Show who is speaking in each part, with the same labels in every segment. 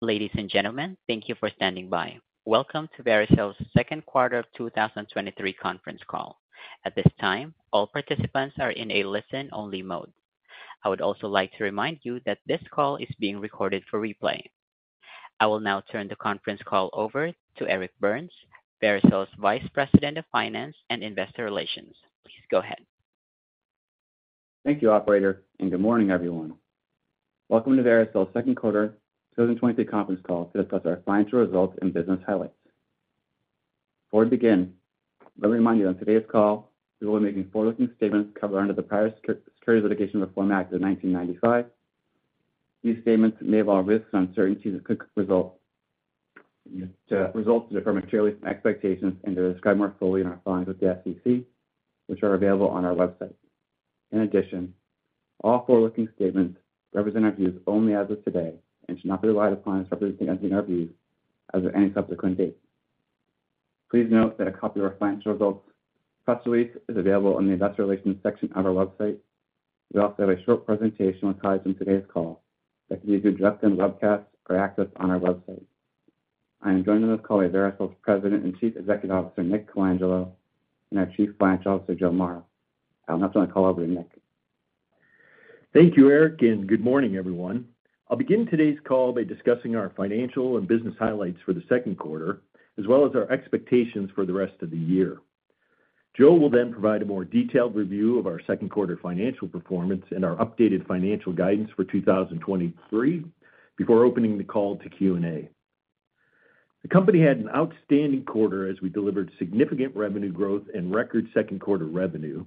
Speaker 1: Ladies and gentlemen, thank you for standing by. Welcome to Vericel's Second Quarter of 2023 Conference Call. At this time, all participants are in a listen-only mode. I would also like to remind you that this call is being recorded for replay. I will now turn the conference call over to Eric Burns, Vericel's Vice President of Finance and Investor Relations. Please go ahead.
Speaker 2: Thank you, operator. Good morning, everyone. Welcome to Vericel's second quarter 2023 conference call to discuss our financial results and business highlights. Before we begin, let me remind you, on today's call, we will be making forward-looking statements covered under the Private Securities Litigation Reform Act of 1995. These statements may involve risks and uncertainties that could result, results to differ materially from expectations and are described more fully in our filings with the SEC, which are available on our website. In addition, all forward-looking statements represent our views only as of today and should not be relied upon as representing any of our views as of any subsequent date. Please note that a copy of our financial results press release is available on the Investor Relations section of our website. We also have a short presentation with highs in today's call that can be addressed in the webcast or access on our website. I am joining the call with Vericel's President and Chief Executive Officer, Nick Colangelo, and our Chief Financial Officer, Joe Morrow. I'll now turn the call over to Nick.
Speaker 3: Thank you, Eric. Good morning, everyone. I'll begin today's call by discussing our financial and business highlights for the second quarter, as well as our expectations for the rest of the year. Joe will then provide a more detailed review of our second quarter financial performance and our updated financial guidance for 2023, before opening the call to Q&A. The company had an outstanding quarter as we delivered significant revenue growth and record second quarter revenue,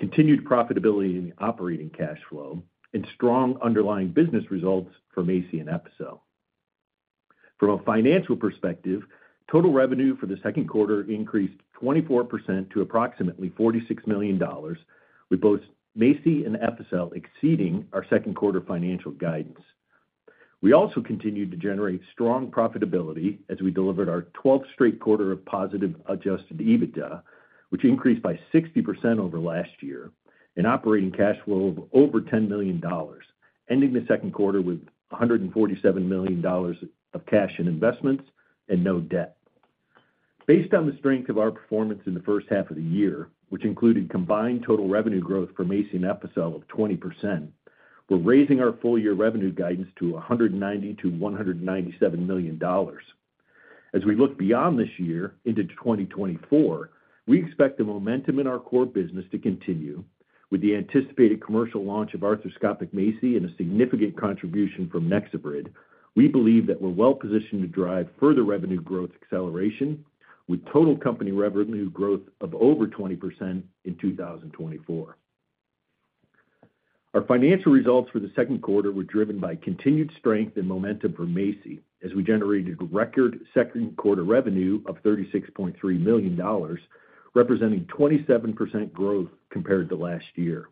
Speaker 3: continued profitability in operating cash flow, and strong underlying business results for MACI and Epicel. From a financial perspective, total revenue for the second quarter increased 24% to approximately $46 million, with both MACI and Epicel exceeding our second quarter financial guidance. We also continued to generate strong profitability as we delivered our 12th straight quarter of positive Adjusted EBITDA, which increased by 60% over last year, and operating cash flow of over $10 million, ending the second quarter with $147 million of cash and investments and no debt. Based on the strength of our performance in the first half of the year, which included combined total revenue growth from MACI and Epicel of 20%, we're raising our full-year revenue guidance to $190 million-$197 million. We expect the momentum in our core business to continue with the anticipated commercial launch of arthroscopic MACI and a significant contribution from NexoBrid in 2024. We believe that we're well positioned to drive further revenue growth acceleration, with total company revenue growth of over 20% in 2024. Our financial results for the second quarter were driven by continued strength and momentum for MACI, as we generated record second quarter revenue of $36.3 million, representing 27% growth compared to last year.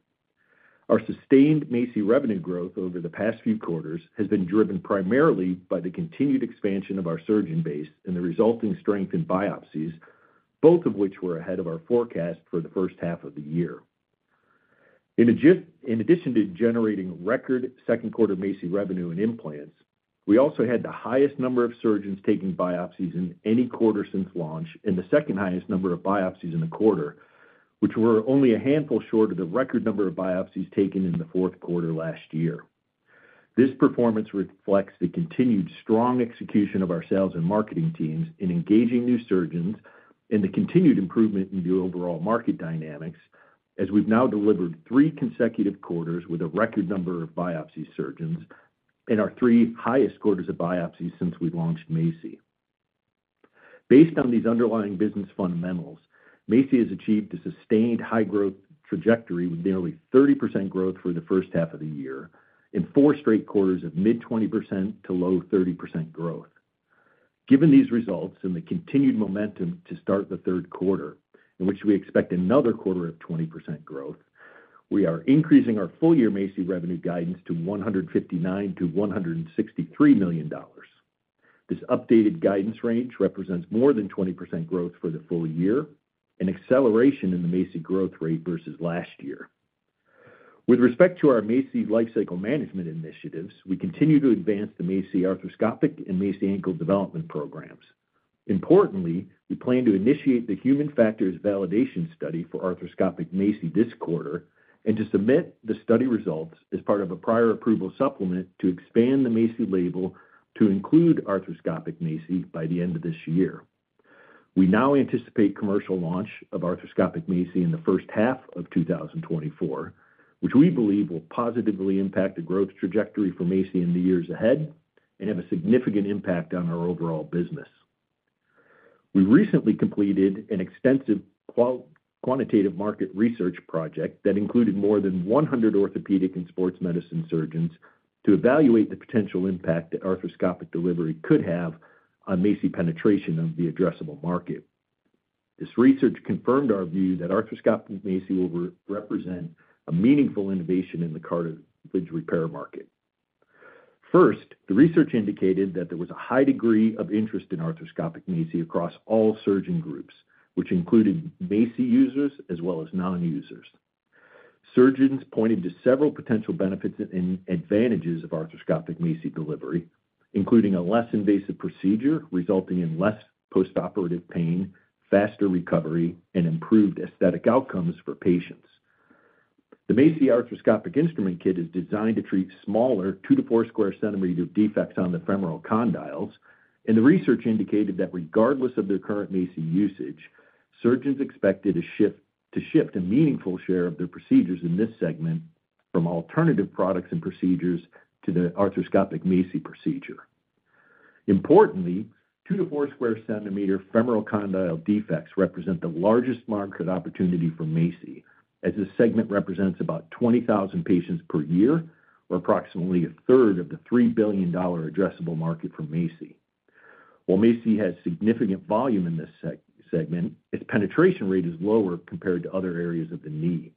Speaker 3: Our sustained MACI revenue growth over the past few quarters has been driven primarily by the continued expansion of our surgeon base and the resulting strength in biopsies, both of which were ahead of our forecast for the first half of the year. In addition to generating record second quarter MACI revenue and implants, we also had the highest number of surgeons taking biopsies in any quarter since launch and the second highest number of biopsies in the quarter, which were only a handful short of the record number of biopsies taken in the fourth quarter last year. This performance reflects the continued strong execution of our sales and marketing teams in engaging new surgeons and the continued improvement in the overall market dynamics, as we've now delivered 3 consecutive quarters with a record number of biopsy surgeons and our 3 highest quarters of biopsies since we launched MACI. Based on these underlying business fundamentals, MACI has achieved a sustained high growth trajectory, with nearly 30% growth for the first half of the year and 4 straight quarters of mid 20% to low 30% growth. Given these results and the continued momentum to start the third quarter, in which we expect another quarter of 20% growth, we are increasing our full-year MACI revenue guidance to $159 million-$163 million. This updated guidance range represents more than 20% growth for the full year and acceleration in the MACI growth rate versus last year. With respect to our MACI lifecycle management initiatives, we continue to advance the arthroscopic MACI and MACI ankle development programs. Importantly, we plan to initiate the human factors validation study for arthroscopic MACI this quarter and to submit the study results as part of a prior approval supplement to expand the MACI label to include arthroscopic MACI by the end of this year. We now anticipate commercial launch of arthroscopic MACI in the first half of 2024, which we believe will positively impact the growth trajectory for MACI in the years ahead and have a significant impact on our overall business. We recently completed an extensive quantitative market research project that included more than 100 orthopedic and sports medicine surgeons to evaluate the potential impact that arthroscopic delivery could have on MACI penetration of the addressable market. This research confirmed our view that arthroscopic MACI will represent a meaningful innovation in the cartilage repair market. First, the research indicated that there was a high degree of interest in arthroscopic MACI across all surgeon groups, which included MACI users as well as non-users. Surgeons pointed to several potential benefits and advantages of arthroscopic MACI delivery, including a less invasive procedure resulting in less postoperative pain, faster recovery, and improved aesthetic outcomes for patients. The MACI Arthroscopic Instrument Kit is designed to treat smaller 2-4 square centimeter defects on the femoral condyles. The research indicated that regardless of their current MACI usage, surgeons expected to shift a meaningful share of their procedures in this segment from alternative products and procedures to the arthroscopic MACI procedure. Importantly, 2-4 square centimeter femoral condyle defects represent the largest market opportunity for MACI, as this segment represents about 20,000 patients per year or approximately a third of the $3 billion addressable market for MACI. While MACI has significant volume in this segment, its penetration rate is lower compared to other areas of the knee.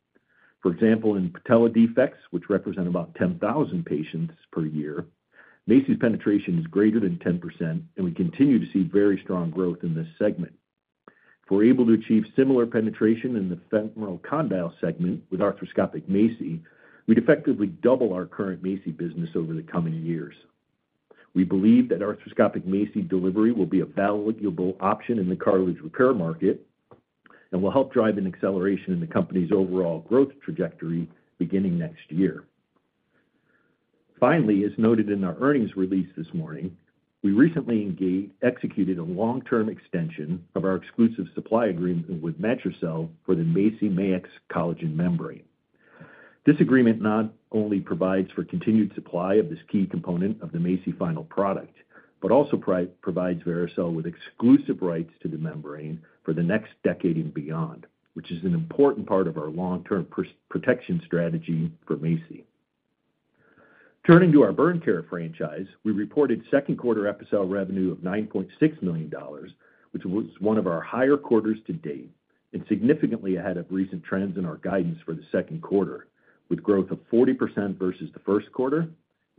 Speaker 3: For example, in patella defects, which represent about 10,000 patients per year, MACI's penetration is greater than 10%, and we continue to see very strong growth in this segment. If we're able to achieve similar penetration in the femoral condyle segment with arthroscopic MACI, we'd effectively double our current MACI business over the coming years. We believe that arthroscopic MACI delivery will be a valuable option in the cartilage repair market and will help drive an acceleration in the company's overall growth trajectory beginning next year. Finally, as noted in our earnings release this morning, we recently executed a long-term extension of our exclusive supply agreement with Matricel for the MACI ACI-Maix collagen membrane. This agreement not only provides for continued supply of this key component of the MACI final product, also provides Vericel with exclusive rights to the membrane for the next decade and beyond, which is an important part of our long-term protection strategy for MACI. Turning to our burn care franchise, we reported second quarter Epicel revenue of $9.6 million, which was one of our higher quarters to date and significantly ahead of recent trends in our guidance for the second quarter, with growth of 40% versus the first quarter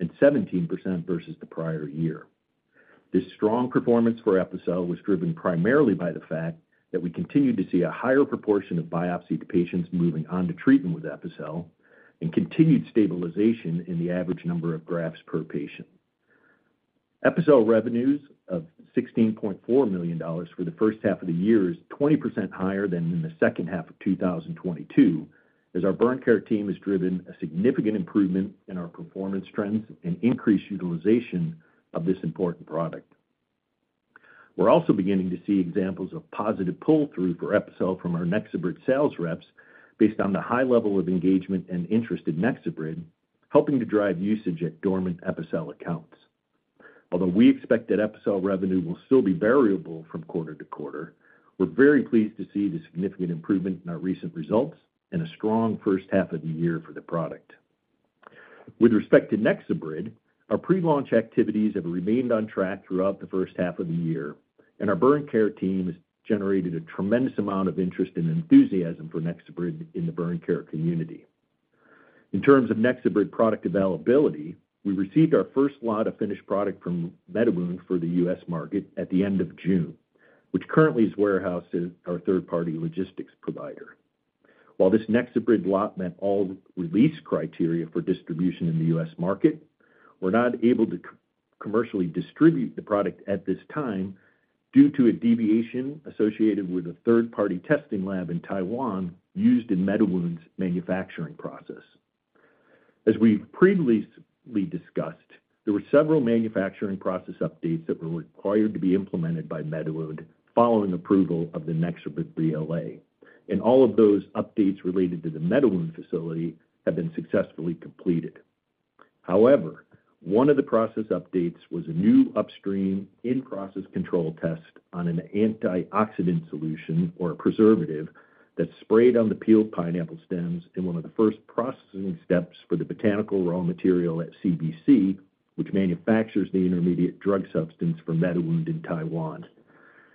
Speaker 3: and 17% versus the prior year. This strong performance for Epicel was driven primarily by the fact that we continued to see a higher proportion of biopsied patients moving on to treatment with Epicel and continued stabilization in the average number of grafts per patient. Epicel revenues of $16.4 million for the first half of the year is 20% higher than in the second half of 2022, as our burn care team has driven a significant improvement in our performance trends and increased utilization of this important product. We're also beginning to see examples of positive pull-through for Epicel from our NexoBrid sales reps based on the high level of engagement and interest in NexoBrid, helping to drive usage at dormant Epicel accounts. Although we expect that Epicel revenue will still be variable from quarter to quarter, we're very pleased to see the significant improvement in our recent results and a strong first half of the year for the product. With respect to NexoBrid, our pre-launch activities have remained on track throughout the first half of the year, and our burn care team has generated a tremendous amount of interest and enthusiasm for NexoBrid in the burn care community. In terms of NexoBrid product availability, we received our first lot of finished product from MediWound for the U.S. market at the end of June, which currently is warehoused in our third-party logistics provider. While this NexoBrid lot met all release criteria for distribution in the U.S. market, we're not able to commercially distribute the product at this time due to a deviation associated with a third-party testing lab in Taiwan used in MediWound's manufacturing process. As we've previously discussed, there were several manufacturing process updates that were required to be implemented by MediWound following approval of the NexoBrid BLA. All of those updates related to the MediWound facility have been successfully completed. However, one of the process updates was a new upstream in-process control test on an antioxidant solution or a preservative that's sprayed on the peeled pineapple stems in one of the first processing steps for the botanical raw material at CBC, which manufactures the intermediate drug substance for MediWound in Taiwan.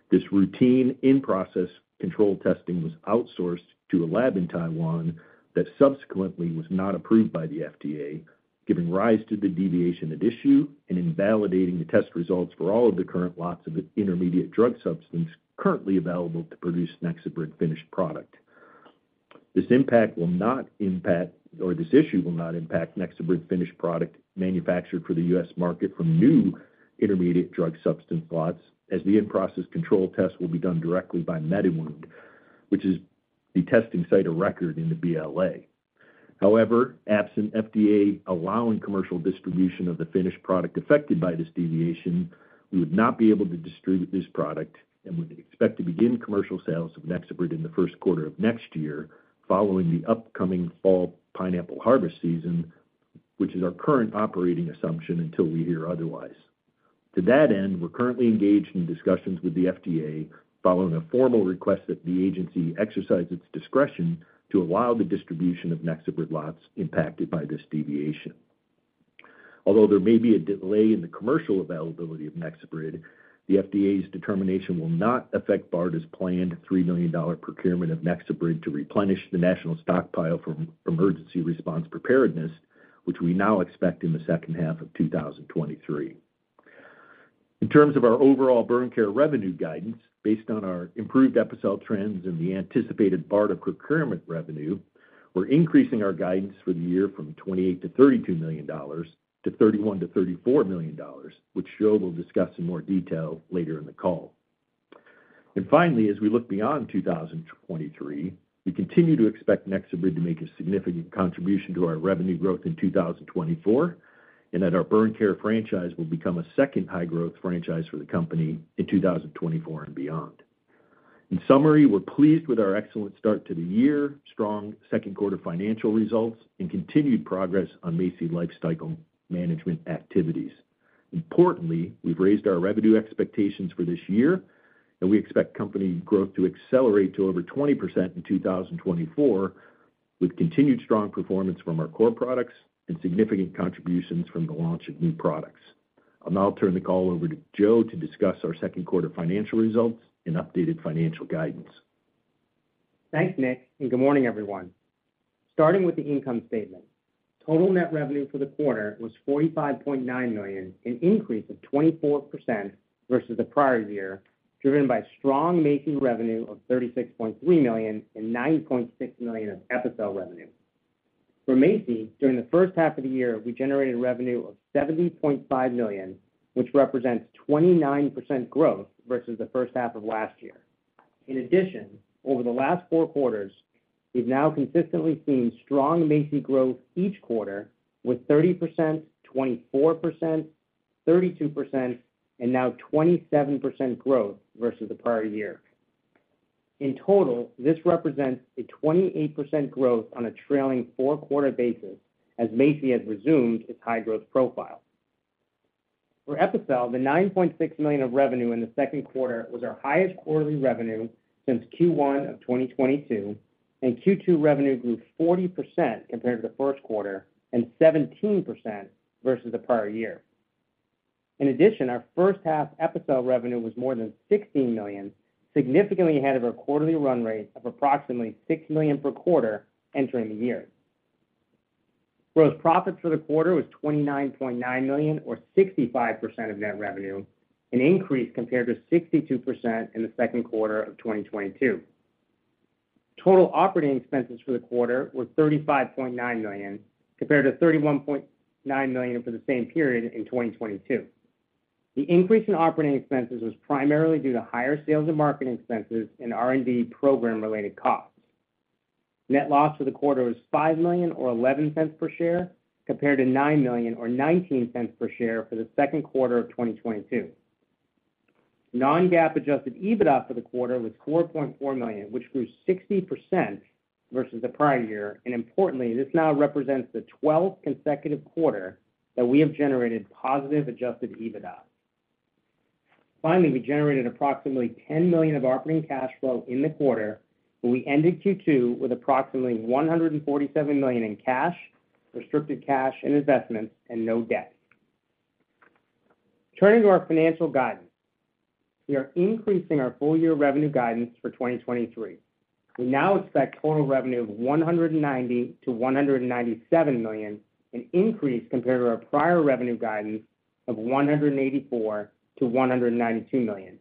Speaker 3: This routine in-process control testing was outsourced to a lab in Taiwan that subsequently was not approved by the FDA, giving rise to the deviation at issue and invalidating the test results for all of the current lots of the intermediate drug substance currently available to produce NexoBrid finished product. This impact will not impact, or this issue will not impact NexoBrid finished product manufactured for the U.S. market from new intermediate drug substance lots, as the in-process control test will be done directly by MediWound, which is the testing site of record in the BLA. However, absent FDA allowing commercial distribution of the finished product affected by this deviation, we would not be able to distribute this product and would expect to begin commercial sales of NexoBrid in the first quarter of next year, following the upcoming fall pineapple harvest season, which is our current operating assumption until we hear otherwise. To that end, we're currently engaged in discussions with the FDA following a formal request that the agency exercise its discretion to allow the distribution of NexoBrid lots impacted by this deviation. Although there may be a delay in the commercial availability of NexoBrid, the FDA's determination will not affect BARDA's planned $3 million procurement of NexoBrid to replenish the national stockpile for emergency response preparedness, which we now expect in the second half of 2023. In terms of our overall burn care revenue guidance, based on our improved Epicel trends and the anticipated BARDA procurement revenue, we're increasing our guidance for the year from $28 million-$32 million to $31 million-$34 million, which Joe will discuss in more detail later in the call. Finally, as we look beyond 2023, we continue to expect NexoBrid to make a significant contribution to our revenue growth in 2024, and that our burn care franchise will become a second high growth franchise for the company in 2024 and beyond. In summary, we're pleased with our excellent start to the year, strong second quarter financial results, and continued progress on MACI lifecycle management activities. Importantly, we've raised our revenue expectations for this year, and we expect company growth to accelerate to over 20% in 2024, with continued strong performance from our core products and significant contributions from the launch of new products. I'll now turn the call over to Joe to discuss our second quarter financial results and updated financial guidance.
Speaker 4: Thanks, Nick. Good morning, everyone. Starting with the income statement. Total net revenue for the quarter was $45.9 million, an increase of 24% versus the prior year, driven by strong MACI revenue of $36.3 million and $9.6 million of Epicel revenue. For MACI, during the first half of the year, we generated revenue of $70.5 million, which represents 29% growth versus the first half of last year. Over the last four quarters, we've now consistently seen strong MACI growth each quarter with 30%, 24%, 32%, and now 27% growth versus the prior year. This represents a 28% growth on a trailing four-quarter basis, as MACI has resumed its high-growth profile. For Epicel, the $9.6 million of revenue in the Q2 was our highest quarterly revenue since Q1 2022. Q2 revenue grew 40% compared to the first quarter and 17% versus the prior year. In addition, our first half Epicel revenue was more than $16 million, significantly ahead of our quarterly run rate of approximately $6 million per quarter entering the year. Gross profit for the quarter was $29.9 million, or 65% of net revenue, an increase compared to 62% in the Q2 2022. Total operating expenses for the quarter were $35.9 million, compared to $31.9 million for the same period in 2022. The increase in operating expenses was primarily due to higher sales and marketing expenses and R&D program-related costs. Net loss for the quarter was $5 million, or $0.11 per share, compared to $9 million or $0.19 per share for the second quarter of 2022. non-GAAP Adjusted EBITDA for the quarter was $4.4 million, which grew 60% versus the prior year. Importantly, this now represents the 12th consecutive quarter that we have generated positive Adjusted EBITDA. Finally, we generated approximately $10 million of operating cash flow in the quarter. We ended Q2 with approximately $147 million in cash, restricted cash and investments, and no debt. Turning to our financial guidance. We are increasing our full-year revenue guidance for 2023. We now expect total revenue of $190 million-$197 million, an increase compared to our prior revenue guidance of $184 million-$192 million,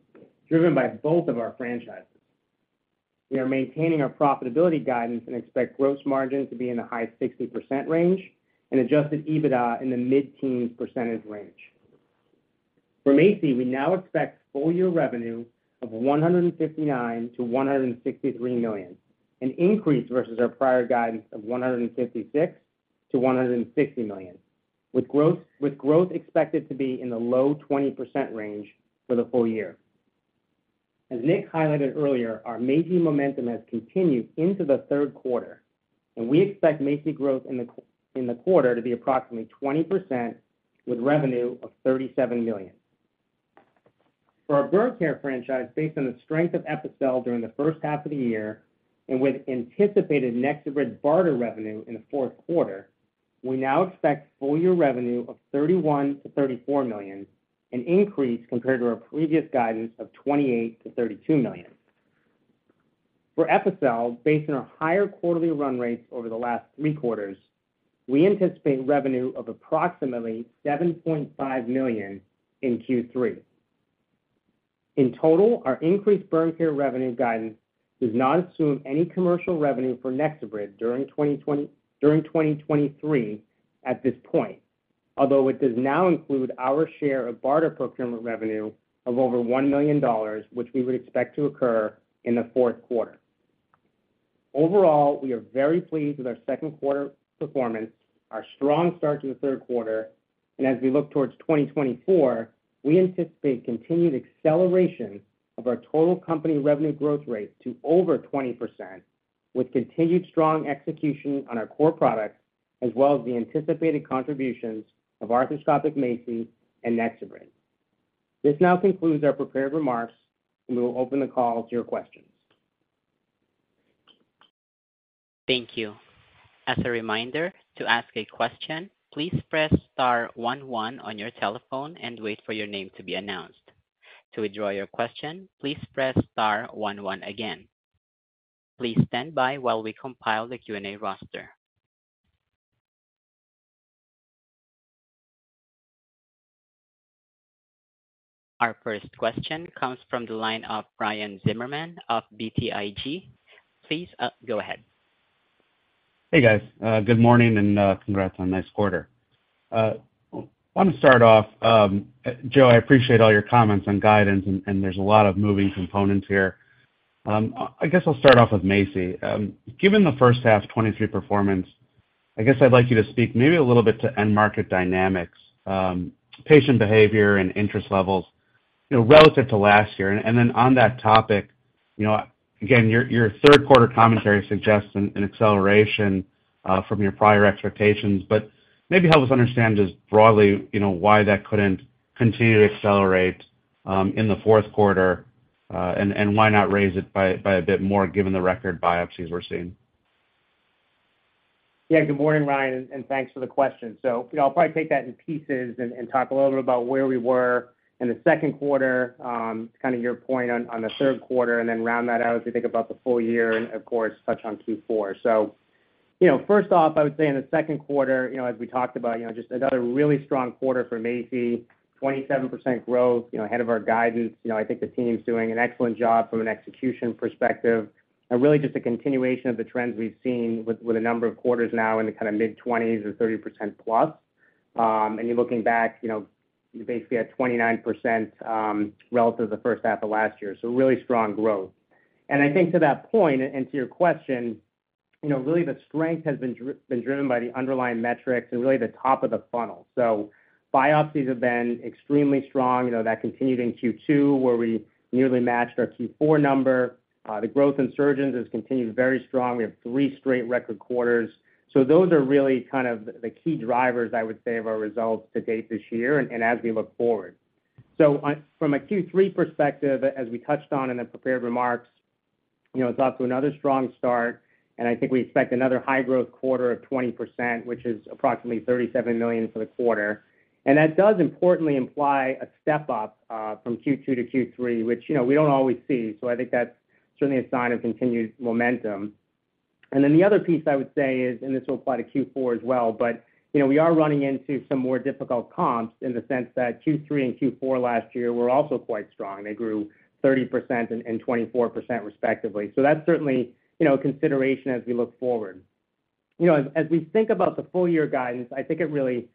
Speaker 4: driven by both of our franchises. We are maintaining our profitability guidance and expect gross margin to be in the high 60% range and Adjusted EBITDA in the mid-teens % range. For MACI, we now expect full-year revenue of $159 million-$163 million, an increase versus our prior guidance of $156 million-$160 million, with growth expected to be in the low 20% range for the full year. As Nick highlighted earlier, our MACI momentum has continued into the third quarter, and we expect MACI growth in the quarter to be approximately 20%, with revenue of $37 million. For our burn care franchise, based on the strength of Epicel during the first half of the year and with anticipated NexoBrid BARDA revenue in the fourth quarter, we now expect full year revenue of $31 million-$34 million, an increase compared to our previous guidance of $28 million-$32 million. For Epicel, based on our higher quarterly run rates over the last three quarters, we anticipate revenue of approximately $7.5 million in Q3. In total, our increased burn care revenue guidance does not assume any commercial revenue for NexoBrid during 2023 at this point, although it does now include our share of BARDA procurement revenue of over $1 million, which we would expect to occur in the fourth quarter. Overall, we are very pleased with our second quarter performance, our strong start to the third quarter, and as we look towards 2024, we anticipate continued acceleration of our total company revenue growth rate to over 20%, with continued strong execution on our core products, as well as the anticipated contributions of arthroscopic MACI and NexoBrid. This now concludes our prepared remarks, and we will open the call to your questions.
Speaker 3: Thank you. As a reminder, to ask a question, please press star one one on your telephone and wait for your name to be announced. To withdraw your question, please press star one one again. Please stand by while we compile the Q&A roster.
Speaker 1: Our first question comes from the line of Ryan Zimmerman of BTIG. Please, go ahead.
Speaker 5: Hey, guys. Good morning, congrats on a nice quarter. Want to start off, Joe, I appreciate all your comments on guidance, there's a lot of moving components here. I guess I'll start off with MACI. Given the first half 2023 performance, I guess I'd like you to speak maybe a little bit to end-market dynamics, patient behavior, and interest levels, you know, relative to last year. On that topic, you know, again, your, your third quarter commentary suggests an acceleration from your prior expectations. Maybe help us understand just broadly, you know, why that couldn't continue to accelerate in the fourth quarter, why not raise it by a bit more, given the record biopsies we're seeing?
Speaker 4: Good morning, Ryan, and thanks for the question. You know, I'll probably take that in pieces and talk a little bit about where we were in the second quarter, kind of your point on the third quarter, and then round that out as we think about the full year and, of course, touch on Q4. You know, first off, I would say in the second quarter, you know, as we talked about, you know, just another really strong quarter for MACI, 27% growth, you know, ahead of our guidance. You know, I think the team's doing an excellent job from an execution perspective, and really just a continuation of the trends we've seen with a number of quarters now in the kind of mid-20s or 30%+. You're looking back, you know, you're basically at 29%, relative to the first half of last year, so really strong growth. I think to that point, and to your question, you know, really the strength has been driven by the underlying metrics and really the top of the funnel. Biopsies have been extremely strong, you know, that continued in Q2, where we nearly matched our Q4 number. The growth in surgeons has continued very strong. We have three straight record quarters. Those are really kind of the, the key drivers, I would say, of our results to date this year and as we look forward. On- from a Q3 perspective, as we touched on in the prepared remarks, you know, it's off to another strong start, and I think we expect another high growth quarter of 20%, which is approximately $37 million for the quarter. That does importantly imply a step up from Q2 to Q3, which, you know, we don't always see, so I think that's certainly a sign of continued momentum. The other piece I would say is, and this will apply to Q4 as well, but, you know, we are running into some more difficult comps in the sense that Q3 and Q4 last year were also quite strong. They grew 30% and 24%, respectively. That's certainly, you know, a consideration as we look forward. You know, as, as we think about the full year guidance, I think it really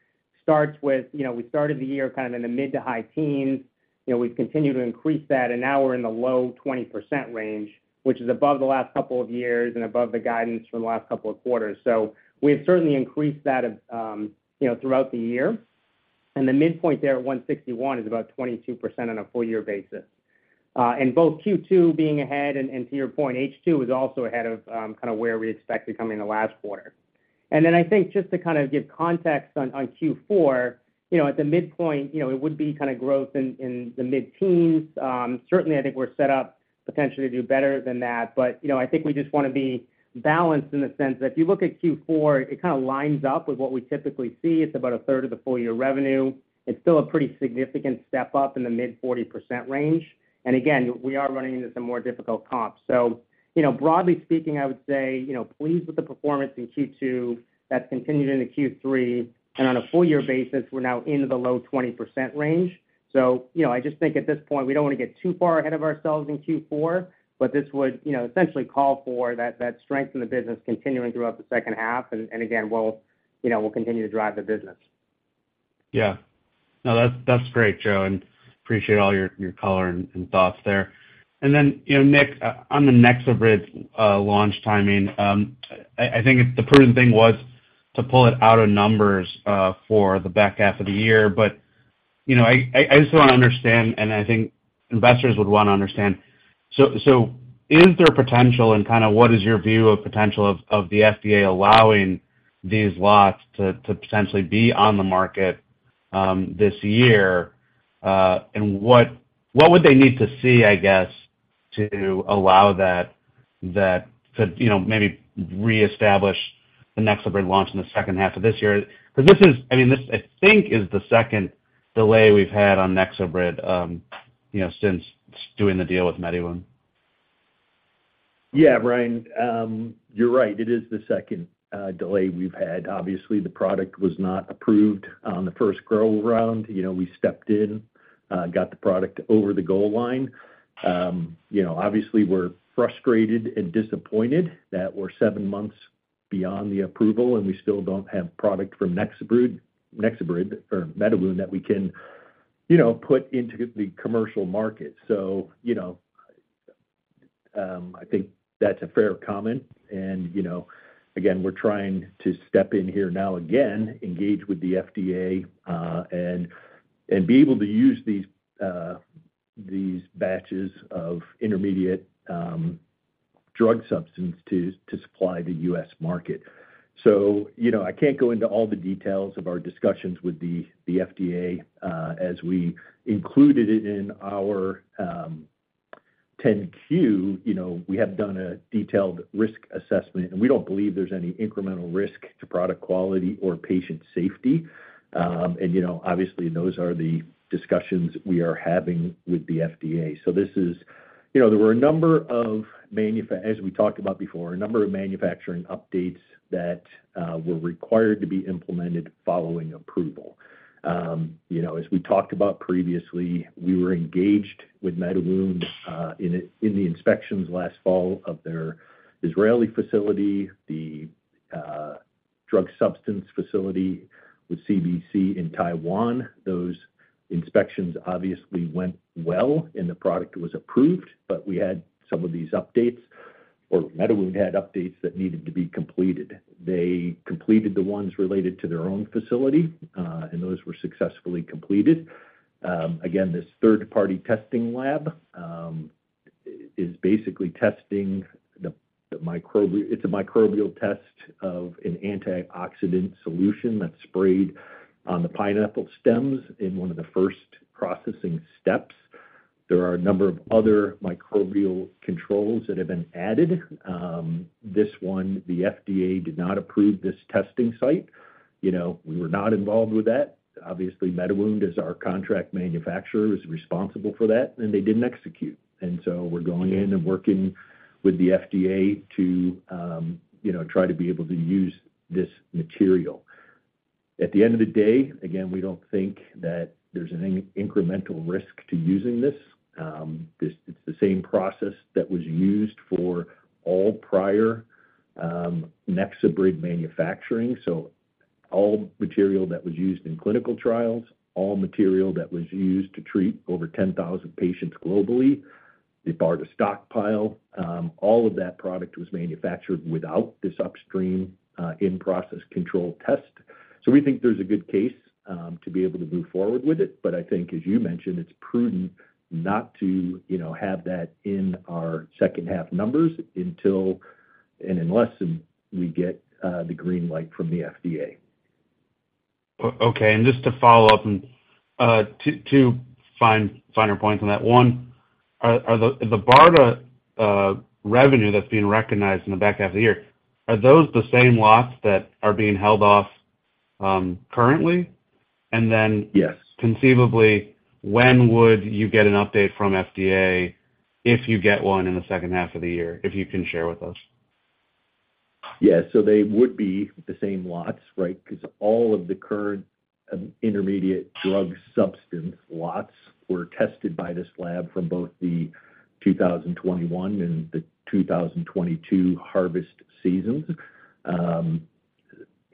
Speaker 4: starts with, you know, we started the year kind of in the mid to high teens. We've continued to increase that, now we're in the low 20% range, which is above the last couple of years and above the guidance from the last couple of quarters. We've certainly increased that, you know, throughout the year, and the midpoint there at $161 is about 22% on a full year basis. Both Q2 being ahead, and, to your point, H2 is also ahead of, kind of where we expected coming to last quarter. Then I think just to kind of give context on, on Q4, you know, at the midpoint, you know, it would be kind of growth in, in the mid-teens. Certainly, I think we're set up potentially to do better than that, but, you know, I think we just want to be balanced in the sense that if you look at Q4, it kind of lines up with what we typically see. It's about a third of the full year revenue. It's still a pretty significant step up in the mid-40% range. Again, we are running into some more difficult comps. You know, broadly speaking, I would say, you know, pleased with the performance in Q2. That's continued into Q3, and on a full year basis, we're now into the low 20% range. You know, I just think at this point, we don't want to get too far ahead of ourselves in Q4, but this would, you know, essentially call for that, that strength in the business continuing throughout the second half, and, and again, we'll, you know, we'll continue to drive the business.
Speaker 5: Yeah. No, that's, that's great, Joe, and appreciate all your, your color and, and thoughts there. Then, you know, Nick, on the NexoBrid launch timing, I, I think the prudent thing was to pull it out of numbers for the back half of the year. You know, I, I, I just want to understand, and I think investors would want to understand, so, so is there potential, and kind of what is your view of potential of the FDA allowing these lots to potentially be on the market this year? What would they need to see, I guess, to allow that to, you know, maybe reestablish the NexoBrid launch in the second half of this year? Because this is, I mean, this, I think, is the second delay we've had on NexoBrid, you know, since doing the deal with MediWound.
Speaker 3: Yeah, Ryan, you're right. It is the second delay we've had. Obviously, the product was not approved on the first go around. You know, we stepped in, got the product over the goal line. You know, obviously, we're frustrated and disappointed that we're 7 months beyond the approval, and we still don't have product from NexoBrid or MediWound that we can, you know, put into the commercial market. I think that's a fair comment. Again, we're trying to step in here now again, engage with the FDA, and be able to use these, these batches of intermediate drug substance to supply the U.S. market. I can't go into all the details of our discussions with the FDA. As we included it in our 10-Q, you know, we have done a detailed risk assessment, and we don't believe there's any incremental risk to product quality or patient safety. You know, obviously, those are the discussions we are having with the FDA. You know, there were a number of manufacturing updates that were required to be implemented following approval. You know, as we talked about previously, we were engaged with MediWound in the inspections last fall of their Israeli facility, the drug substance facility with CBC in Taiwan. Those inspections obviously went well, and the product was approved, but we had some of these updates, or MediWound had updates that needed to be completed. They completed the ones related to their own facility, and those were successfully completed. Again, this third-party testing lab is basically testing the, it's a microbial test of an antioxidant solution that's sprayed on the pineapple stems in one of the first processing steps. There are a number of other microbial controls that have been added. This one, the FDA did not approve this testing site. You know, we were not involved with that. Obviously, MediWound, as our contract manufacturer, is responsible for that, and they didn't execute. So we're going in and working with the FDA to, you know, try to be able to use this material. At the end of the day, again, we don't think that there's any incremental risk to using this. It's the same process that was used for all prior, NexoBrid manufacturing. All material that was used in clinical trials, all material that was used to treat over 10,000 patients globally, the BARDA stockpile, all of that product was manufactured without this upstream, in-process control test. We think there's a good case to be able to move forward with it. I think, as you mentioned, it's prudent not to, you know, have that in our second half numbers until, and unless, we get the green light from the FDA.
Speaker 5: Okay. Just to follow up and 2, 2 fine, finer points on that. One, are the BARDA revenue that's being recognized in the back half of the year, are those the same lots that are being held off currently?
Speaker 3: Yes.
Speaker 5: Conceivably, when would you get an update from FDA if you get one in the second half of the year, if you can share with us?
Speaker 3: Yeah. They would be the same lots, right? Because all of the current intermediate drug substance lots were tested by this lab from both the 2021 and the 2022 harvest seasons.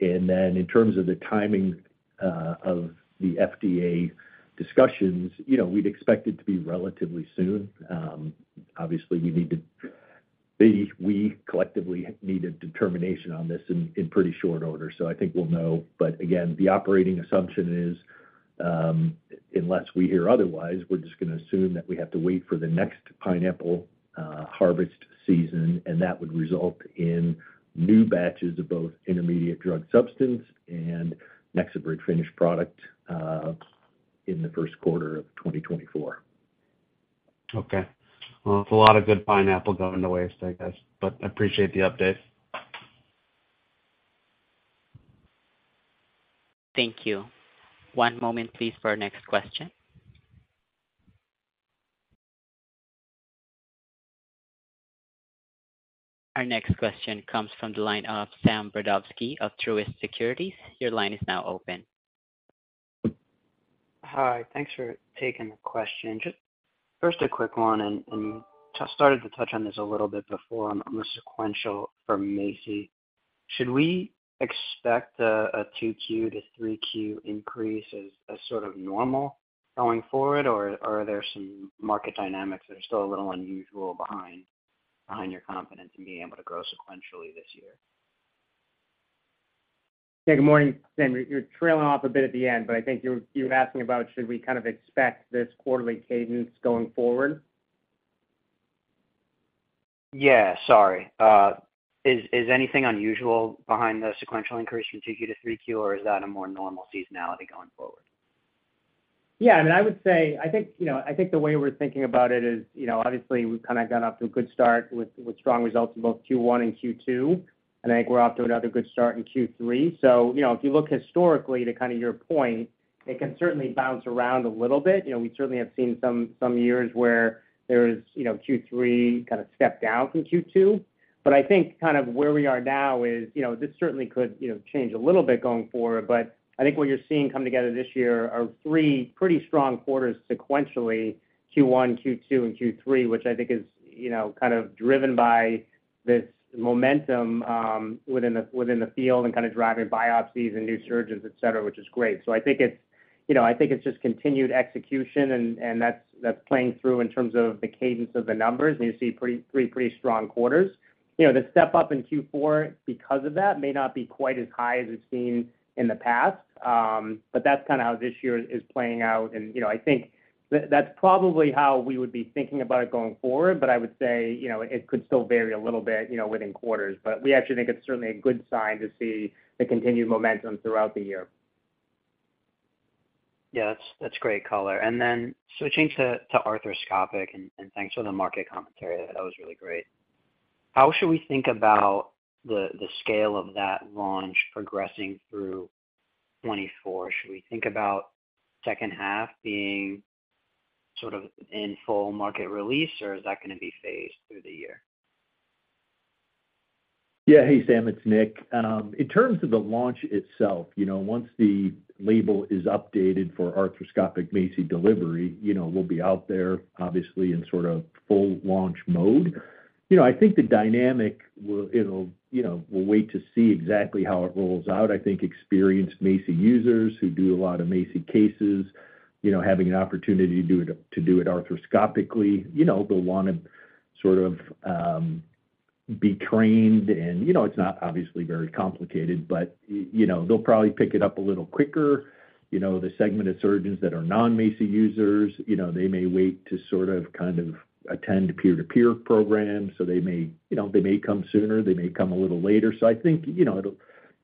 Speaker 3: In terms of the timing of the FDA discussions, you know, we'd expect it to be relatively soon. Obviously, we need to-- they-- we collectively need a determination on this in, in pretty short order, so I think we'll know. Again, the operating assumption is, unless we hear otherwise, we're just gonna assume that we have to wait for the next pineapple harvest season, and that would result in new batches of both intermediate drug substance and NexoBrid finished product in the first quarter of 2024.
Speaker 5: Okay. Well, it's a lot of good pineapple going to waste, I guess, but I appreciate the update.
Speaker 1: Thank you. One moment please for our next question. Our next question comes from the line of Sam Brodovsky of Truist Securities. Your line is now open.
Speaker 6: Hi, thanks for taking the question. Just first, a quick one, and you started to touch on this a little bit before on the sequential from MACI. Should we expect a 2Q to 3Q increase as sort of normal going forward, or are there some market dynamics that are still a little unusual behind your confidence in being able to grow sequentially this year?
Speaker 4: Yeah, good morning, Sam. You're, you're trailing off a bit at the end, but I think you're, you're asking about should we kind of expect this quarterly cadence going forward?
Speaker 6: Yeah, sorry. Is, is anything unusual behind the sequential increase from 2Q to 3Q, or is that a more normal seasonality going forward?
Speaker 4: Yeah, I mean, I would say, I think, you know, I think the way we're thinking about it is, you know, obviously, we've kind of got off to a good start with, with strong results in both Q1 and Q2, and I think we're off to another good start in Q3. If you look historically to kind of your point, it can certainly bounce around a little bit. You know, we certainly have seen some, some years where there's, you know, Q3 kind of stepped down from Q2. I think kind of where we are now is, you know, this certainly could, you know, change a little bit going forward. I think what you're seeing come together this year are 3 pretty strong quarters sequentially, Q1, Q2, and Q3, which I think is, you know, kind of driven by this momentum within the, within the field and kind of driving biopsies and new surgeons, et cetera, which is great. I think it's, you know, I think it's just continued execution, and, and that's, that's playing through in terms of the cadence of the numbers, and you see 3 pretty strong quarters. You know, the step up in Q4 because of that may not be quite as high as we've seen in the past, that's kind of how this year is, is playing out. You know, I think that's probably how we would be thinking about it going forward, but I would say, you know, it could still vary a little bit, you know, within quarters. We actually think it's certainly a good sign to see the continued momentum throughout the year.
Speaker 6: Yeah, that's, that's great color. Then switching to, to arthroscopic, and, and thanks for the market commentary. That was really great. How should we think about the, the scale of that launch progressing through 2024? Should we think about second half being sort of in full market release, or is that going to be phased through the year?
Speaker 3: Yeah. Hey, Sam, it's Nick. In terms of the launch itself, you know, once the label is updated for arthroscopic MACI delivery, you know, we'll be out there, obviously, in sort of full launch mode. You know, I think the dynamic will, it'll, you know, we'll wait to see exactly how it rolls out. I think experienced MACI users who do a lot of MACI cases, you know, having an opportunity to do it, to do it arthroscopically, you know, they'll want to sort of, be trained. It's not obviously very complicated, but, you know, they'll probably pick it up a little quicker. You know, the segment of surgeons that are non-MACI users, you know, they may wait to sort of, kind of attend a peer-to-peer program. They may, you know, they may come sooner, they may come a little later. I think, you know,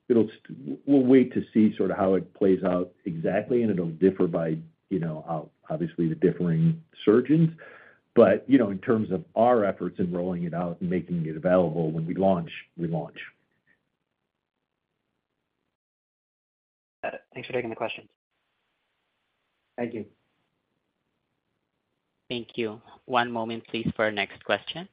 Speaker 3: we'll wait to see sort of how it plays out exactly, and it'll differ by, you know, obviously, the differing surgeons. You know, in terms of our efforts in rolling it out and making it available when we launch, we launch.
Speaker 6: Thanks for taking the question.
Speaker 3: Thank you.
Speaker 1: Thank you. One moment please for our next question.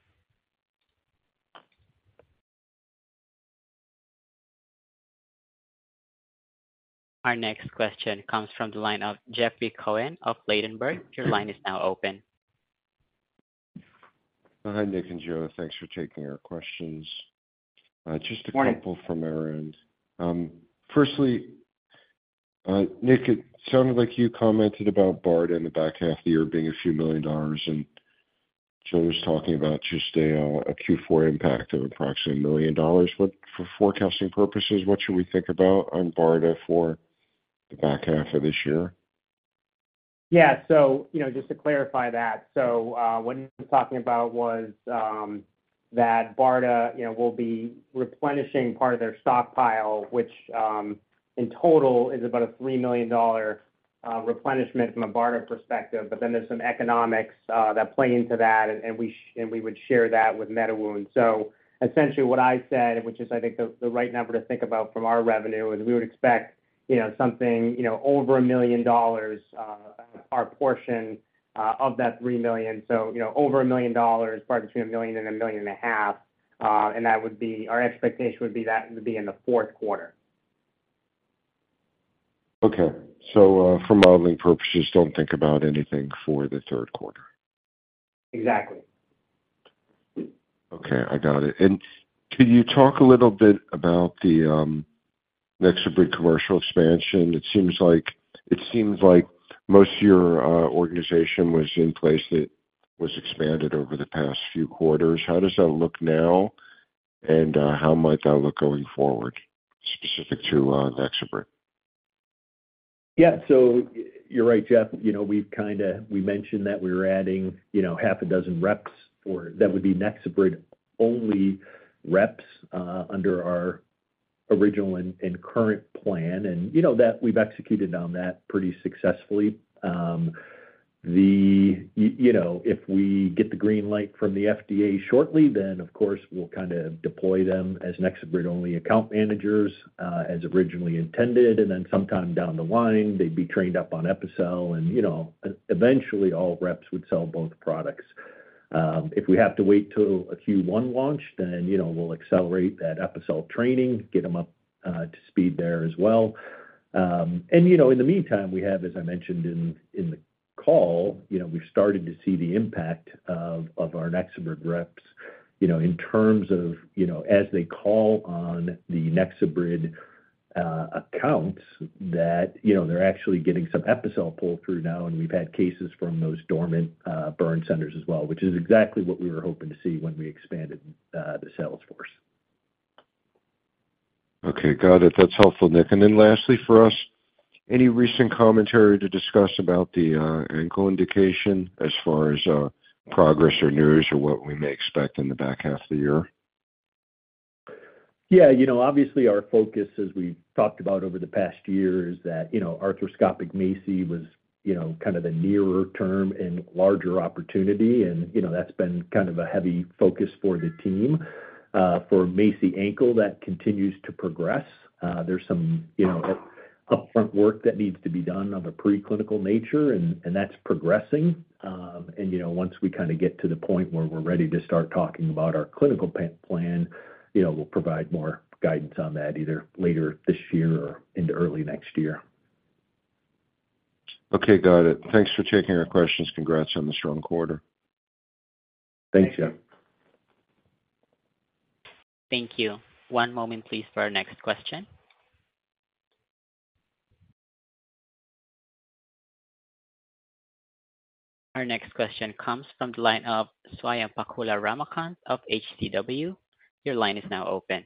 Speaker 1: Our next question comes from the line of Jeffrey Cohen of Ladenburg. Your line is now open.
Speaker 7: Hi, Nick and Joe. Thanks for taking our questions.
Speaker 3: Morning.
Speaker 7: Just a couple from our end. Firstly, Nick, it sounded like you commented about BARDA in the back half of the year being a few million dollars, and Joe was talking about just a Q4 impact of approximately $1 million. What for forecasting purposes, what should we think about on BARDA for the back half of this year?
Speaker 4: Yeah. You know, just to clarify that, what he was talking about was that BARDA, you know, will be replenishing part of their stockpile, which in total is about a $3 million replenishment from a BARDA perspective. Then there's some economics that play into that, and we would share that with MediWound. Essentially, what I said, which is, I think, the, the right number to think about from our revenue, is we would expect, you know, something, you know, over $1 million, our portion of that $3 million. You know, over $1 million, probably between $1 million and $1.5 million, and that would be, our expectation would be that it would be in the fourth quarter.
Speaker 7: Okay. for modeling purposes, don't think about anything for the third quarter?
Speaker 4: Exactly.
Speaker 7: Okay, I got it. Can you talk a little bit about the NexoBrid commercial expansion? It seems like, it seems like most of your organization was in place that was expanded over the past few quarters. How does that look now, and how might that look going forward, specific to NexoBrid?
Speaker 3: Yeah. You're right, Jeff. You know, we've kinda we mentioned that we were adding, you know, 6 reps for... that would be NexoBrid-only reps under our original and current plan. You know, that we've executed on that pretty successfully. You know, if we get the green light from the FDA shortly, then, of course, we'll kind of deploy them as NexoBrid-only account managers as originally intended, and then sometime down the line, they'd be trained up on Epicel. You know, eventually, all reps would sell both products. If we have to wait till a Q1 launch, then, you know, we'll accelerate that Epicel training, get them up to speed there as well. You know, in the meantime, we have, as I mentioned in, in the call, you know, we've started to see the impact of, of our NexoBrid reps, you know, in terms of, you know, as they call on the NexoBrid accounts that, you know, they're actually getting some Epicel pull-through now, and we've had cases from those dormant burn centers as well, which is exactly what we were hoping to see when we expanded the sales force.
Speaker 7: Okay, got it. That's helpful, Nick. Lastly, for us, any recent commentary to discuss about the ankle indication as far as progress or news or what we may expect in the back half of the year?
Speaker 3: Yeah, you know, obviously, our focus, as we've talked about over the past year, is that, you know, arthroscopic MACI was, you know, kind of the nearer term and larger opportunity, and, you know, that's been kind of a heavy focus for the team. For MACI ankle, that continues to progress. There's some, you know, upfront work that needs to be done of a preclinical nature, and, that's progressing. Once we kind of get to the point where we're ready to start talking about our clinical plan, you know, we'll provide more guidance on that, either later this year or into early next year.
Speaker 7: Okay, got it. Thanks for taking our questions. Congrats on the strong quarter.
Speaker 3: Thanks, Jeff.
Speaker 1: Thank you. One moment, please, for our next question. Our next question comes from the line of Swayampakula Ramakanth of H.C. Wainwright. Your line is now open.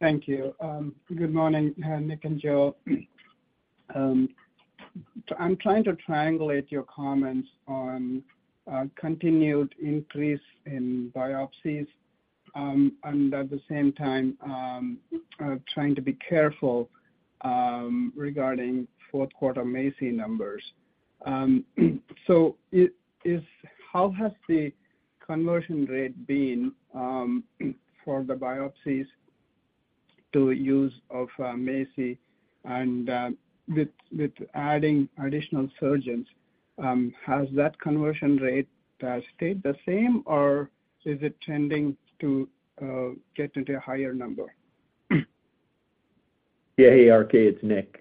Speaker 8: Thank you. Good morning, Nick and Joe. I'm trying to triangulate your comments on continued increase in biopsies, and at the same time, trying to be careful regarding 4th quarter MACI numbers. How has the conversion rate been for the biopsies to use of MACI? With adding additional surgeons, has that conversion rate stayed the same, or is it tending to get into a higher number?
Speaker 3: Yeah. Hey, RK, it's Nick.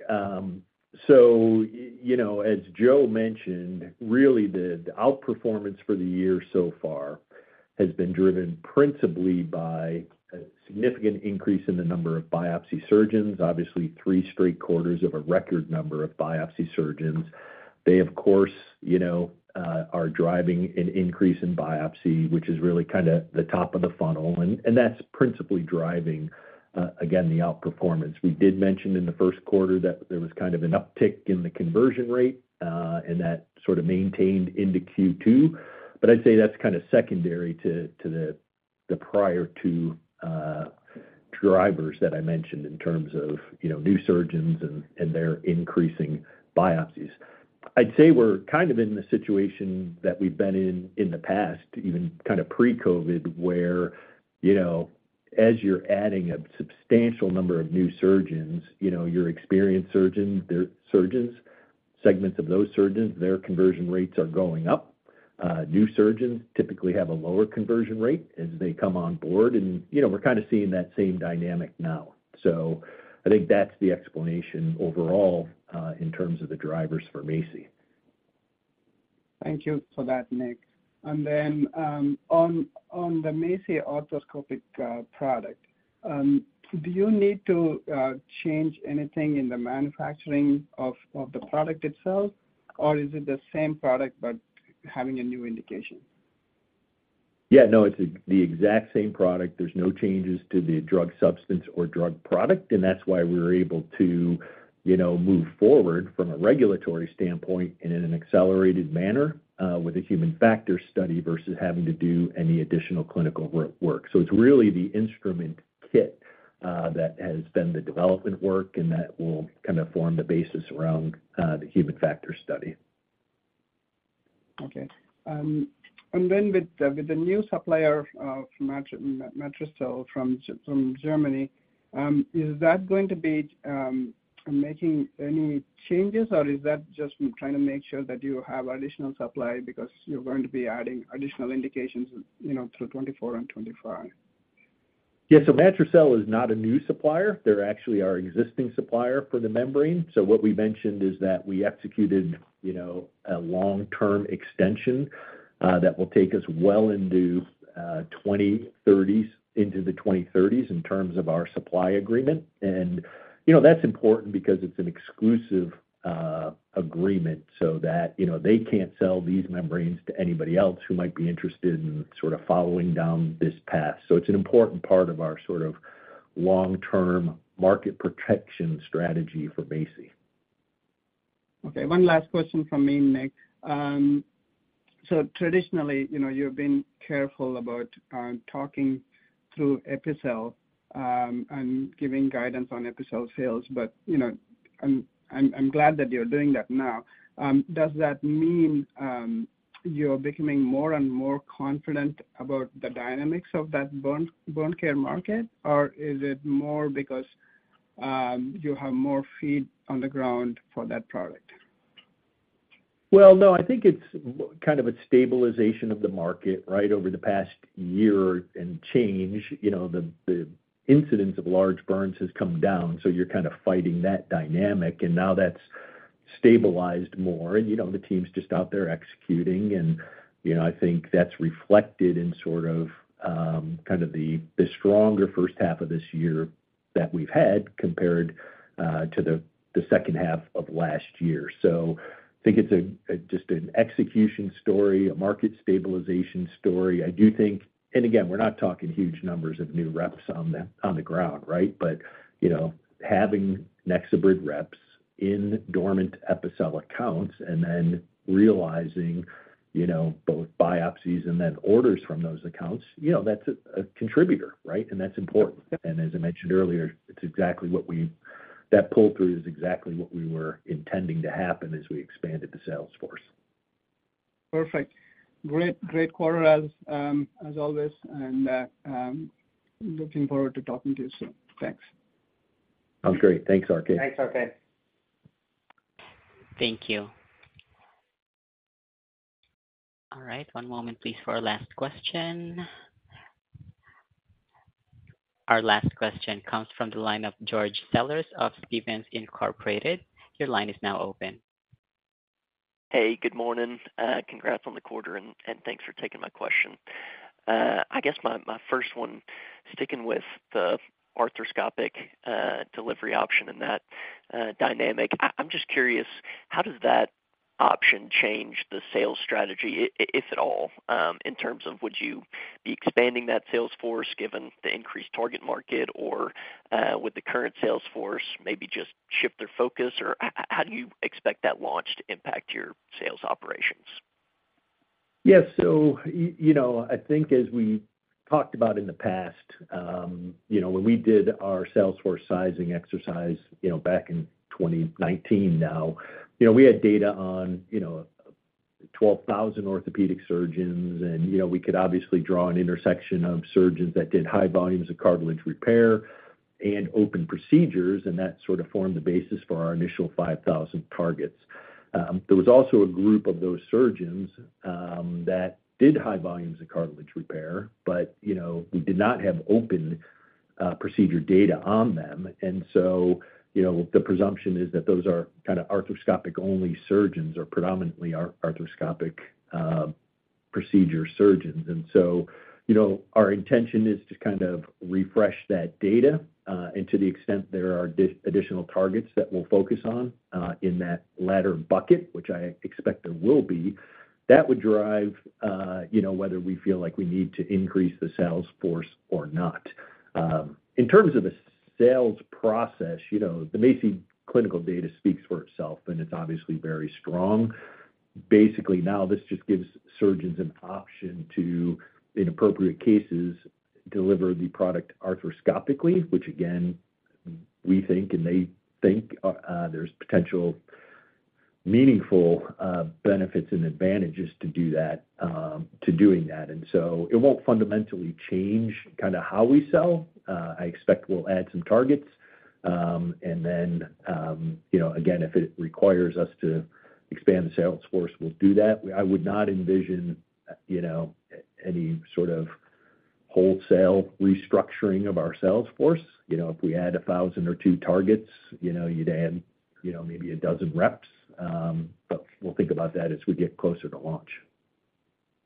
Speaker 3: You know, as Joe mentioned, really the outperformance for the year so far has been driven principally by a significant increase in the number of biopsy surgeons. Obviously, 3 straight quarters of a record number of biopsy surgeons. They, of course, you know, are driving an increase in biopsy, which is really kind of the top of the funnel, and that's principally driving again, the outperformance. We did mention in the 1st quarter that there was kind of an uptick in the conversion rate, and that sort of maintained into Q2. I'd say that's kind of secondary to the prior 2 drivers that I mentioned in terms of, you know, new surgeons and their increasing biopsies. I'd say we're kind of in the situation that we've been in, in the past, even kind of pre-COVID, where, you know, as you're adding a substantial number of new surgeons, you know, your experienced surgeons, their surgeons, segments of those surgeons, their conversion rates are going up. New surgeons typically have a lower conversion rate as they come on board, and, you know, we're kind of seeing that same dynamic now. I think that's the explanation overall in terms of the drivers for MACI.
Speaker 8: Thank you for that, Nick. On, on the MACI arthroscopic product, do you need to change anything in the manufacturing of, of the product itself, or is it the same product but having a new indication?
Speaker 3: Yeah, no, it's the exact same product. There's no changes to the drug substance or drug product, that's why we were able to, you know, move forward from a regulatory standpoint and in an accelerated manner, with a human factors study versus having to do any additional clinical work. It's really the instrument kit, that has been the development work, and that will kind of form the basis around, the human factors study.
Speaker 8: Okay. With the, with the new supplier, Matricel from Germany, is that going to be making any changes, or is that just trying to make sure that you have additional supply because you're going to be adding additional indications, you know, through 2024 and 2025?
Speaker 3: Yeah. Matricel is not a new supplier. They're actually our existing supplier for the membrane. What we mentioned is that we executed, you know, a long-term extension that will take us well into the 2030s, in terms of our supply agreement. You know, that's important because it's an exclusive agreement, so that, you know, they can't sell these membranes to anybody else who might be interested in sort of following down this path. It's an important part of our sort of long-term market protection strategy for MACI.
Speaker 8: Okay, one last question from me, Nick. Traditionally, you know, you've been careful about talking through Epicel and giving guidance on Epicel sales. You know, I'm, I'm, I'm glad that you're doing that now. Does that mean you're becoming more and more confident about the dynamics of that burn, bone care market, or is it more because you have more feet on the ground for that product?
Speaker 3: Well, no, I think it's kind of a stabilization of the market, right? Over the past year and change, you know, the, the incidence of large burns has come down, so you're kind of fighting that dynamic, and now that's stabilized more. You know, the team's just out there executing and, you know, I think that's reflected in sort of, kind of the, the stronger first half of this year that we've had, compared to the, the second half of last year. I think it's a, a, just an execution story, a market stabilization story. I do think. Again, we're not talking huge numbers of new reps on the, on the ground, right? But, you know, having NexoBrid reps in dormant Epicel accounts and then realizing, you know, both biopsies and then orders from those accounts, you know, that's a, a contributor, right? That's important. As I mentioned earlier, it's exactly what we-- That pull-through is exactly what we were intending to happen as we expanded the sales force.
Speaker 8: Perfect. Great, great quarter as, as always. Looking forward to talking to you soon. Thanks.
Speaker 3: Sounds great. Thanks, RK.
Speaker 4: Thanks, RK.
Speaker 1: Thank you. All right, one moment please, for our last question. Our last question comes from the line of George Sellers of Stephens Inc. Your line is now open.
Speaker 9: Hey, good morning. Congrats on the quarter, and thanks for taking my question. I guess my first one, sticking with the arthroscopic delivery option and that dynamic, I'm just curious, how does that option change the sales strategy, if at all, in terms of would you be expanding that sales force given the increased target market, or would the current sales force maybe just shift their focus, or how do you expect that launch to impact your sales operations?
Speaker 3: Yeah, so, you know, I think as we talked about in the past, you know, when we did our sales force sizing exercise, you know, back in 2019 now, you know, we had data on, you know, 12,000 orthopedic surgeons. You know, we could obviously draw an intersection of surgeons that did high volumes of cartilage repair and open procedures, and that sort of formed the basis for our initial 5,000 targets. There was also a group of those surgeons that did high volumes of cartilage repair, but, you know, we did not have open procedure data on them. You know, the presumption is that those are kind of arthroscopic-only surgeons or predominantly arthroscopic procedure surgeons. You know, our intention is to kind of refresh that data, and to the extent there are additional targets that we'll focus on, in that latter bucket, which I expect there will be, that would drive, you know, whether we feel like we need to increase the sales force or not. In terms of the sales process, you know, the MACI clinical data speaks for itself, and it's obviously very strong. Basically, now this just gives surgeons an option to, in appropriate cases, deliver the product arthroscopically, which again, we think and they think, there's potential meaningful benefits and advantages to do that, to doing that. It won't fundamentally change kind of how we sell. I expect we'll add some targets. Then, you know, again, if it requires us to expand the sales force, we'll do that. I would not envision, you know, any sort of wholesale restructuring of our sales force. You know, if we add 1,000 or 2 targets, you know, you'd add, you know, maybe 12 reps, but we'll think about that as we get closer to launch.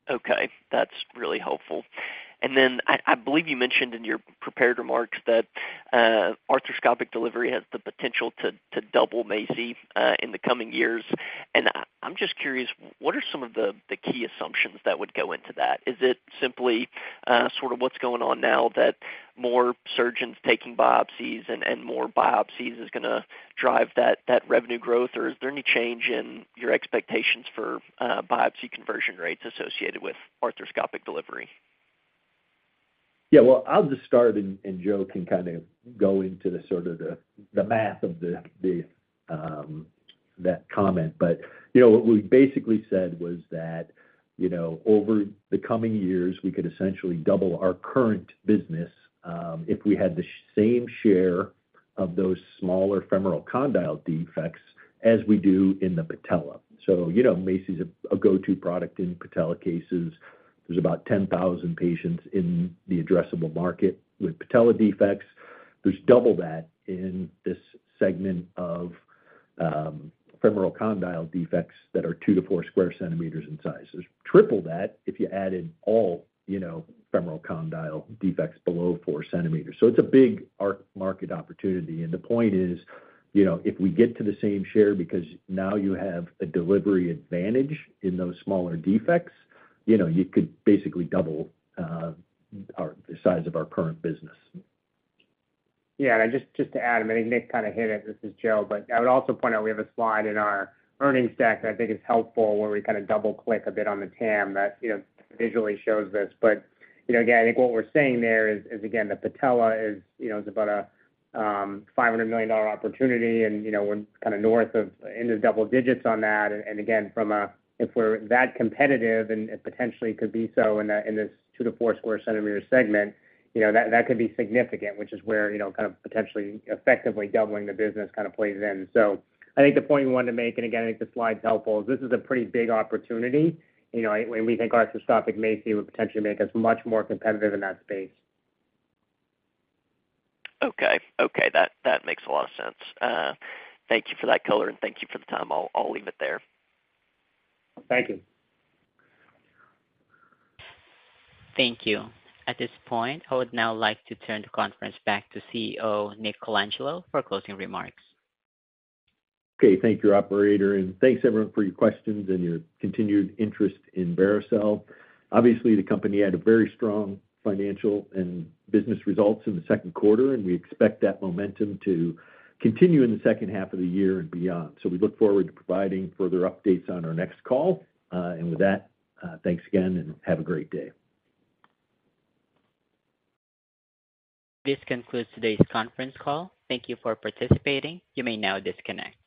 Speaker 9: Okay, that's really helpful. I, I believe you mentioned in your prepared remarks that arthroscopic delivery has the potential to, to double MACI in the coming years. I, I'm just curious, what are some of the, the key assumptions that would go into that? Is it simply, sort of what's going on now, that more surgeons taking biopsies and, and more biopsies is gonna drive that, that revenue growth, or is there any change in your expectations for, biopsy conversion rates associated with arthroscopic delivery?
Speaker 3: Yeah, well, I'll just start, and Joe can kind of go into the sort of the, the math of the that comment. You know, what we basically said was that, you know, over the coming years, we could essentially double our current business, if we had the same share of those smaller femoral condyle defects as we do in the patella. You know, MACI's a, a go-to product in patella cases. There's about 10,000 patients in the addressable market with patella defects. There's double that in this segment of, femoral condyle defects that are 2 to 4 square centimeters in size. There's triple that if you added all, you know, femoral condyle defects below 4 centimeters. It's a big [arc], market opportunity. The point is, you know, if we get to the same share, because now you have a delivery advantage in those smaller defects, you know, you could basically double, our, the size of our current business.
Speaker 4: Yeah, I just to add, I mean, Nick kind of hit it. This is Joe. I would also point out, we have a slide in our earnings deck that I think is helpful, where we kind of double-click a bit on the TAM that, you know, visually shows this. You know, again, I think what we're saying there is, is again, the patella is, you know, is about a $500 million opportunity, you know, we're kind of north of into double digits on that. Again, from if we're that competitive, and it potentially could be so in this 2-4 square centimeter segment, you know, that, that could be significant, which is where, you know, kind of potentially effectively doubling the business kind of plays in. I think the point we wanted to make, and again, I think the slide's helpful, is this is a pretty big opportunity. You know, we think arthroscopic MACI would potentially make us much more competitive in that space.
Speaker 9: Okay. Okay, that, that makes a lot of sense. Thank you for that color, and thank you for the time. I'll, I'll leave it there.
Speaker 3: Thank you.
Speaker 1: Thank you. At this point, I would now like to turn the conference back to CEO, Nick Colangelo, for closing remarks.
Speaker 3: Okay. Thank you, operator, and thanks, everyone, for your questions and your continued interest in Vericel. Obviously, the company had a very strong financial and business results in the second quarter, and we expect that momentum to continue in the second half of the year and beyond. We look forward to providing further updates on our next call. With that, thanks again, and have a great day.
Speaker 1: This concludes today's conference call. Thank you for participating. You may now disconnect.